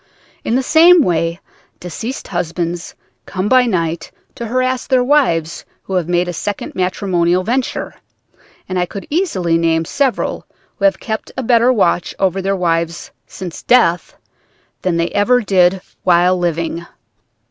In the same way deceased husbands come by night to harass their wives who have made a second matrimonial venture, and I could easily name several who have kept a better watch over their wives since death than they ever did while living.